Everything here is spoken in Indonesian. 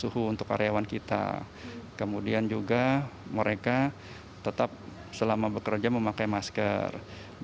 dicicoda karena dinyatakan oleh us government participants bahwa kita ke pointer kewow